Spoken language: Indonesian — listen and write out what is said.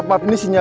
dekat setan ya